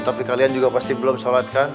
tapi kalian juga pasti belum sholat kan